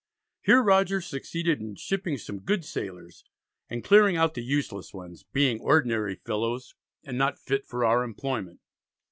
Here Rogers succeeded in shipping some good sailors, and clearing out the useless ones, "being ordinary fellows, and not fit for our employment."